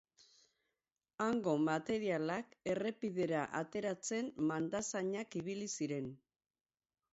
Hango materialak errepidera ateratzen mandazainak ibili ziren.